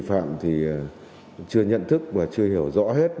tuy nhiên ngô thị hồng thắm còn trẻ tuổi nhận thức còn hạn chế gia đình có hoàn cảnh khó khăn